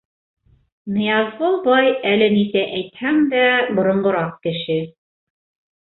Ныязғол бай, әле нисә әйтһәң дә, боронғораҡ кеше.